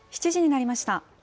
７時になりました。